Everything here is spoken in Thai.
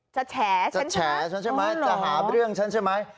จะแฉะฉันใช่ไหมจะแฉะฉันใช่ไหมจะหาเรื่องฉันใช่ไหม